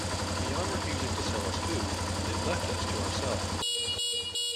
Beyond refusing to sell us food, they left us to ourselves.